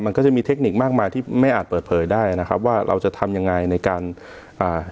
มันก็จะมีเทคนิคมากมายที่ไม่อาจเปิดเผยได้นะครับว่าเราจะทำยังไงในการอ่า